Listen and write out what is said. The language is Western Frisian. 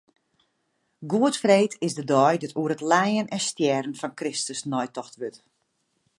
Goedfreed is de dei dat oer it lijen en stjerren fan Kristus neitocht wurdt.